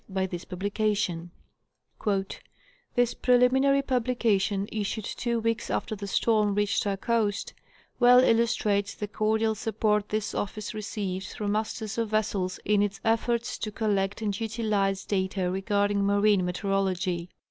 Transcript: by this publication: "This preliminary publication, issued two weeks after the storm reached our coast, well illustrates the cor dial support this office receives from masters of vessels in its ef forts to collect and utilize data regarding marine meteorology.